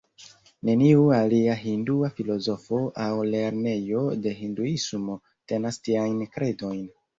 Neniu alia hindua filozofo aŭ lernejo de hinduismo tenas tiajn kredojn.